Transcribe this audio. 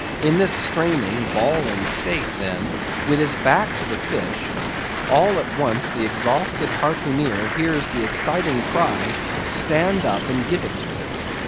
In this straining, bawling state, then, with his back to the fish, all at once the exhausted harpooneer hears the exciting cry—"Stand up, and give it to him!"